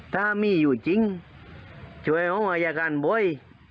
ถ้ามีอยู่จริงช่วยของอายการบ่อย